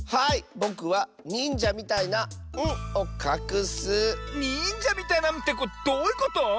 ぼくはにんじゃみたいな「ん」をかくッス！にんじゃみたいな「ん」ってどういうこと？